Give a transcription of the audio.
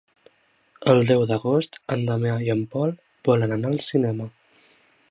El deu d'agost en Damià i en Pol volen anar al cinema.